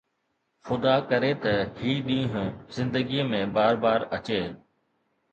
خدا ڪري ته هي ڏينهن زندگي ۾ بار بار اچي